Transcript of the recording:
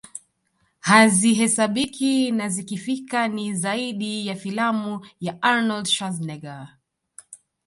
hazihesabiki na zikifika ni zaidi ya filamu ya Arnold Schwarzenegger